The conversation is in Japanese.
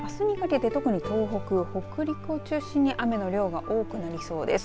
あすにかけて特に東北北陸を中心に雨の量が多くなりそうです。